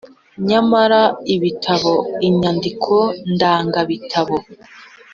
Nyamara ibitabo inyandiko ndangabitabo